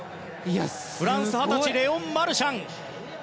フランス、二十歳レオン・マルシャン。